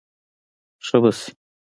ښه به شې.